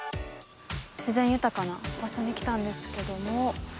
自然豊かな場所に来たんですけども。